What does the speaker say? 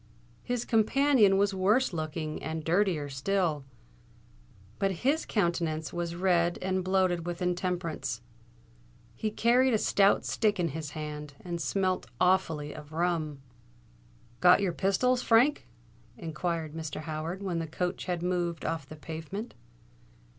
His companion was worse looking and dirtier still; but his countenance was red and bloated with intemperance. He carried a stout stick in his hand, and smelt awfully of rum. "Got your pistols, Frank?" inquired Mr. Howard, when the coach had moved off the pavement.